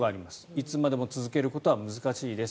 いつまでも続けることは難しいです。